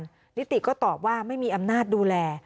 นิติก็ตอบว่าไม่มีอำนาจดูแล